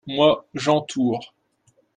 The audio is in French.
moi, j'entoure.